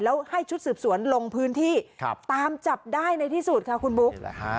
แล้วให้ชุดสืบสวนลงพื้นที่ตามจับได้ในที่สุดค่ะคุณบุ๊ค